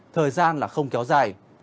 thời gian không kéo dài